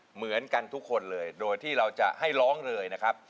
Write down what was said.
เหมือนกันทุกคนเลยโดยที่เราจะให้ร้องเลยนะครับ